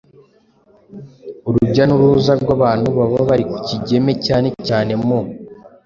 urujya n’uruza rw’abantu baba bari ku Kigeme cyane cyane mu